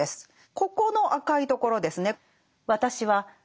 ここの赤いところですね。